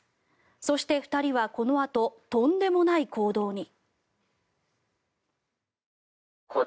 そして、２人はこのあととんでもない行動に。